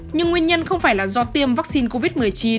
nhưng nguyên nhân không phải là do tiêm vắc xin covid một mươi chín